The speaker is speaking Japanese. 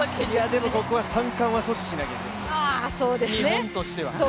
でもここは３冠は阻止しないといけないです、日本としては。